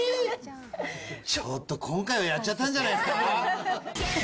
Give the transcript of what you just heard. ちょっと今回はやっちゃったんじゃないの。